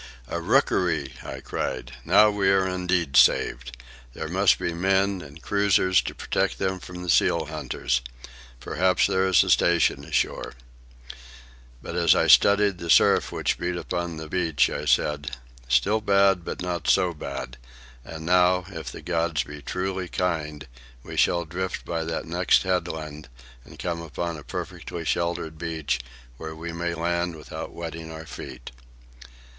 "A rookery!" I cried. "Now are we indeed saved. There must be men and cruisers to protect them from the seal hunters. Possibly there is a station ashore." But as I studied the surf which beat upon the beach, I said, "Still bad, but not so bad. And now, if the gods be truly kind, we shall drift by that next headland and come upon a perfectly sheltered beach, where we may land without wetting our feet."